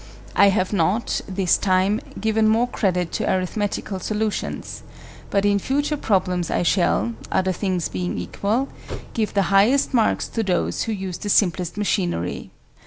I have not, this time, given more credit to arithmetical solutions; but in future problems I shall (other things being equal) give the highest marks to those who use the simplest machinery.